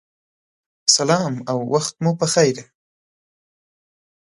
سلام او وخت مو پخیر